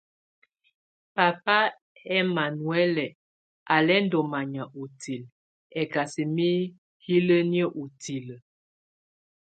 Papa ɛmanuhuɛlɛ á lɛ ndɔ manya utilǝ, ɛkasɛ mɛ hílǝ́nìǝ́ utilǝ́.